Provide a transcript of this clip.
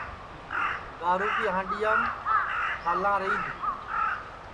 گارو کی ہانڈؔیام کھالاں رِیدھ